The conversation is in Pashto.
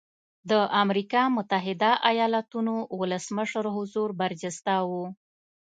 د امریکا متحده ایالتونو ولسمشر حضور برجسته و.